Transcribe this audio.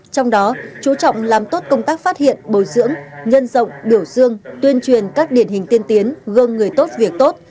trong đó chú trọng làm tốt công tác phát hiện bồi dưỡng nhân rộng biểu dương tuyên truyền các điển hình tiên tiến gương người tốt việc tốt